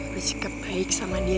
bersikap baik sama dia